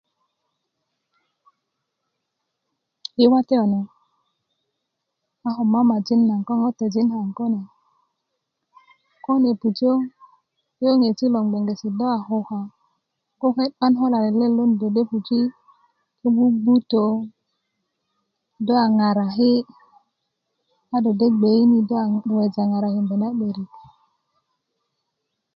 yi watiya kune a ko mamajin naŋ ko ŋotejin kaŋ kune koo kune 'bujö yöyöŋesi' loŋ gboŋgeti do a kukä kuket 'ban ko lalet let lo ni do puji do gbugbutö do a ŋaraki' a do de gbe ini naŋ do a weja ŋarakinda na mede